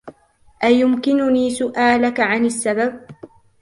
أيمكنني سؤالك عن السبب؟